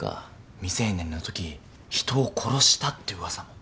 未成年のとき人を殺したってうわさも。